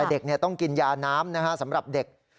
เด็กต้องกินยาน้ำสำหรับเด็ก